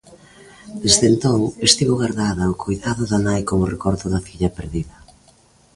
Desde entón, estivo gardada ao coidado da nai como recordo da filla perdida.